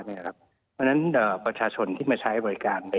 เพราะฉะนั้นประชาชนที่มาใช้บริการ